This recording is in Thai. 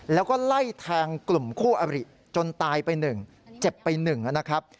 แล้วก็ไล่แทงกลุ่มคู่อริจนตายไปหนึ่งเจ็บไปหนึ่งนะครับ